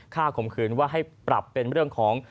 ข่มขืนว่าให้ปรับเป็นเรื่องของ